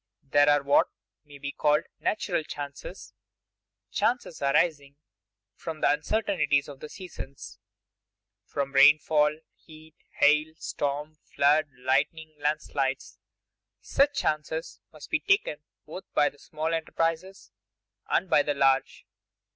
_ There are what may be called natural chances chances, arising from the uncertainties of the seasons, from rainfall, heat, hail, storm, flood, lightning, land slides. Such chances must be taken both by the small enterpriser and by the large.